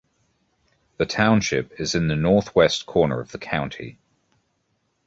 The township is in the northwest corner of the county.